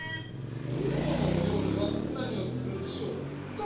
きょうのおりょうりはなにをつくるんでしょうか？